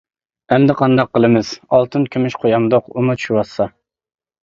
ئەمدى قانداق قىلىمىز، ئالتۇن كۈمۈش قويامدۇق، ئۇمۇ چۈشۈۋاتسا!